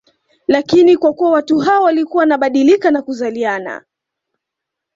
Lakini kwa kuwa watu hao walikuwa wanabadilika na kuzaliana